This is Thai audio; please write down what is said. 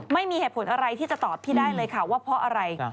ไม่มีเหตุผลอะไรที่จะตอบพี่ได้เลยค่ะว่าเพราะอะไร